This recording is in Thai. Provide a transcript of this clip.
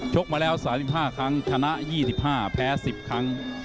กมาแล้ว๓๕ครั้งชนะ๒๕แพ้๑๐ครั้ง